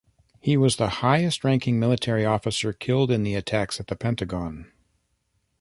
He was the highest-ranking military officer killed in the attacks at the Pentagon.